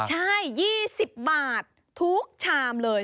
ใช่๒๐บาททุกชามเลย